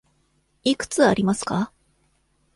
いくつありますか。